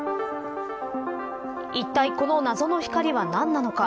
いったいこの謎の光は何なのか。